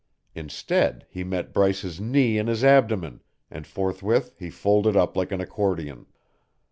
Instead he met Bryce's knee in his abdomen, and forthwith he folded up like an accordion.